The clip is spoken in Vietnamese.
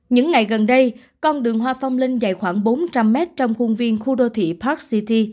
những ngày gần đây con đường hoa phong linh dài khoảng bốn trăm linh mét trong khuôn viên khu đô thị park city